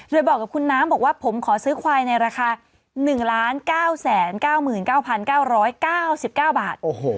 โดยบอกกับคุณน้ำบอกว่าผมขอซื้อควายในราคา๑๙๙๙๙๙๙๙บาท